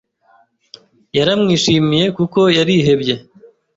Yaramwishimiye kuko yarihebye.